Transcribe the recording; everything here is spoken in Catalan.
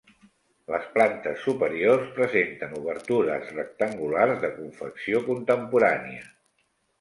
Les plantes superiors presenten obertures rectangulars de confecció contemporània.